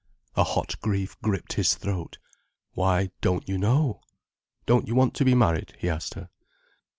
A hot grief gripped his throat. "Why don't you know—don't you want to be married?" he asked her.